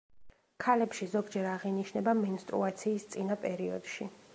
ქალებში ზოგჯერ აღინიშნება მენსტრუაციის წინა პერიოდში.